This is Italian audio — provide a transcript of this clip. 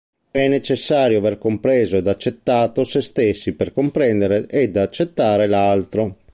È necessario aver compreso ed accettato se stessi per comprendere ed accettare l'altro.